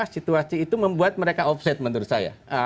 situasi itu membuat mereka offset menurut saya